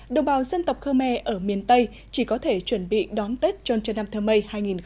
đồng bào dân tộc khmer ở miền tây chỉ có thể chuẩn bị đón tết trôn trân nam thơ mây hai nghìn hai mươi